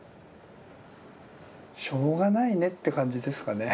しょうがないねって感じですかね。